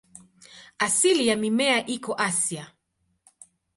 Asili ya mimea iko Asia.